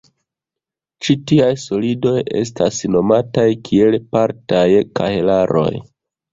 Ĉi tiaj "solidoj" estas nomataj kiel partaj kahelaroj.